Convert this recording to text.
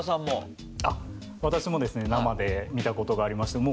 私も生で見たことがありまして。